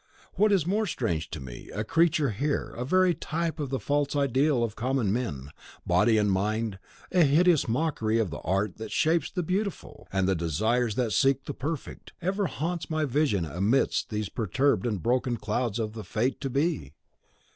What is more strange to me, a creature here, a very type of the false ideal of common men, body and mind, a hideous mockery of the art that shapes the Beautiful, and the desires that seek the Perfect, ever haunts my vision amidst these perturbed and broken clouds of the fate to be.